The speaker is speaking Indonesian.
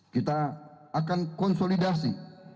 kita akan konsolidasi